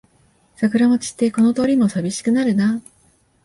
桜も散ってこの通りもさびしくなるな